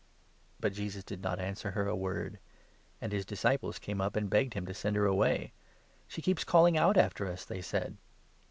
But Jesus did not answer her a word ; and his disciples came up and begged him to send her away. "She keeps calling out after us," they said.